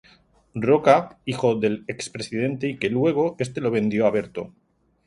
Roca, hijo del expresidente y que luego, este lo vendió a Berto.